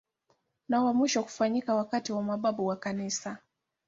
Ni wa mwisho kufanyika wakati wa mababu wa Kanisa.